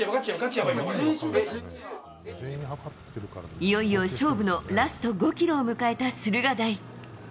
いよいよ勝負のラスト５ｋｍを迎えた駿河台。